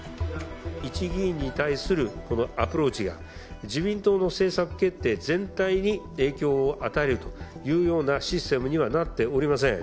一議員に対するアプローチが、自民党の政策決定全体に影響を与えるというようなシステムにはなっておりません。